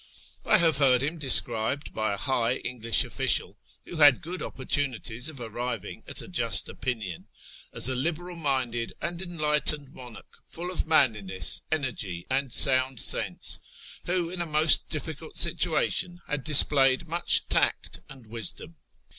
I have heard him described by a high English official, who had good opportunities of arriving at a just opinion, as a liberal minded and enlightened monarch, full of manliness, energy, and sound sense, who, in a most difficult situation, had displayed much tact and wisdom.